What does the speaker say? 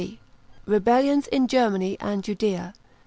352 REBELLIONS JN GERMANY AND JUDEA.